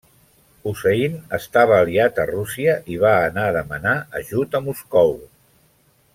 Hussein estava aliat a Rússia i va anar a demanar ajut a Moscou.